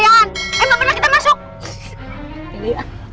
emang bener kita masuk